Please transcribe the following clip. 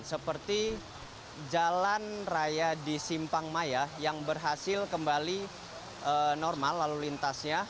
seperti jalan raya di simpang maya yang berhasil kembali normal lalu lintasnya